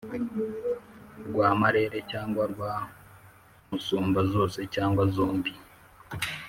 rwa marere cyangwa rwa musumba zose cyangwa zombi